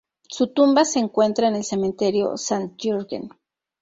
Su tumba se encuentra en el cementerio St.-Jürgen.